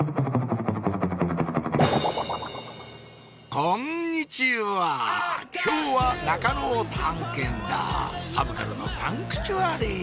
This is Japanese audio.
こんにちは今日は中野を探検だサブカルのサンクチュアリ！